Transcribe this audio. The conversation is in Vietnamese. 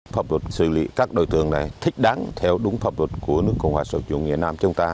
pháp luật xử lý các đối tượng này thích đáng theo đúng pháp luật của nước cộng hòa sở chủng việt nam chúng ta